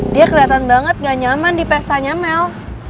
dia keliatan banget gak nyaman di pesta nyamel